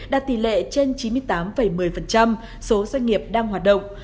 đạt tỷ lệ trên chín mươi tám một mươi số doanh nghiệp đang hoạt động